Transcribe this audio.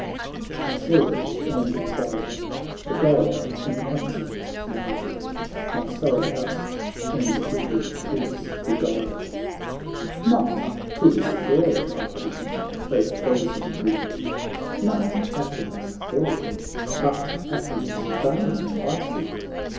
I said and sighed, the God in accents mild My sorrow thus and rigid griefs beguiled ;" Not to destroy I come, O chosen Greek, Not Athens' fall, but Athens' fame I seek.